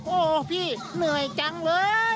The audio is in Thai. โอ้โหพี่เหนื่อยจังเลย